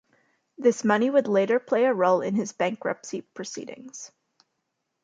This money would later play a role in his bankruptcy proceedings.